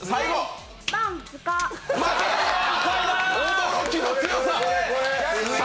驚きの強さ！